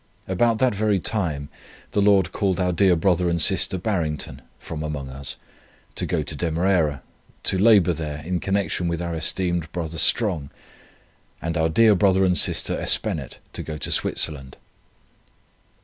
About that very time the Lord called our dear brother and sister Barrington from among us, to go to Demerara, to labour there in connexion with our esteemed brother Strong, and our dear brother and sister Espenett, to go to Switzerland.